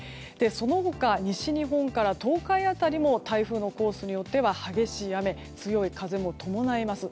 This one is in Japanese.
その他、西日本から東海辺りも台風のコースによっては激しい雨強い風も伴います。